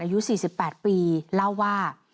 อายุ๔๘ปีเล่าว่า